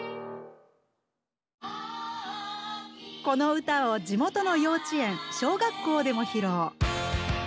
この歌を地元の幼稚園小学校でも披露。